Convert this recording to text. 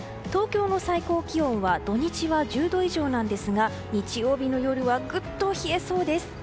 東京の最高気温は土日は１０度以上ですが日曜日の夜はぐっと冷えそうです。